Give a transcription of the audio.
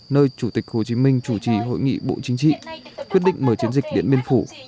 nơi chủ tịch hồ chí minh chủ trì hội nghị bộ chính trị quyết định mở chiến dịch điện biên phủ